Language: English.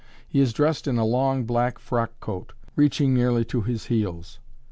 He is dressed in a long, black frock coat reaching nearly to his heels.